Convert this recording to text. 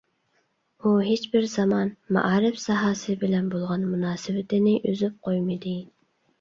ئۇ ھېچبىر زامان مائارىپ ساھەسى بىلەن بولغان مۇناسىۋىتىنى ئۈزۈپ قويمىدى.